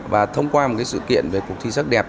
và thông qua một sự kiện về cuộc thi sắc đẹp